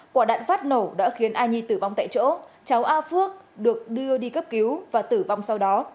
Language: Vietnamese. quả đạn phát nổ đã khiến ai nhi tử vong tại chỗ cháu a phước được đưa đi cấp cứu và tử vong sau đó